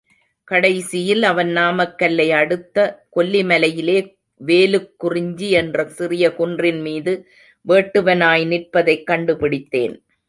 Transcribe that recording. கடைசியில் அவன் நாமக்கல்லை அடுத்த கொல்லிமலையிலே வேலுக்குறிச்சி என்ற சிறிய குன்றின் மீது வேட்டுவனாய் நிற்பதைக் கண்டுபிடித்தேன்.